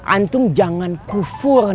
antum jangan kufur